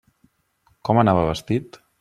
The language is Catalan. Com anava vestit?